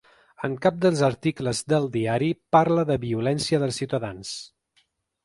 En cap dels articles del diari parla de violència dels ciutadans.